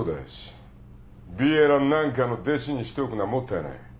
ヴィエラなんかの弟子にしておくのはもったいない。